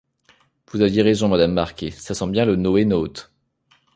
Vous aviez raison, Madame Marquet, ça sent bien le NoéNaute.